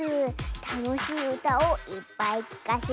たのしいうたをいっぱいきかせちゃうズー。